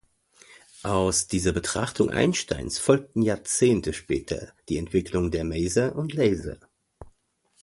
Aus dieser Betrachtung Einsteins folgten Jahrzehnte später die Entwicklung der Maser und Laser.